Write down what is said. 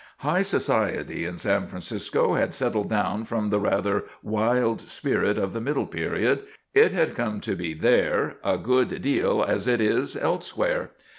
"High society" in San Francisco had settled down from the rather wild spirit of the middle period; it had come to be there a good deal as it is elsewhere.